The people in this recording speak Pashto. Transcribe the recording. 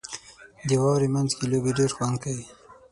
• د واورې مینځ کې لوبې ډېرې خوند کوي.